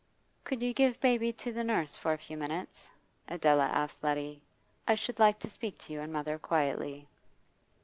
'Could you give baby to the nurse for a few minutes?' Adela asked Letty. 'I should like to speak to you and mother quietly.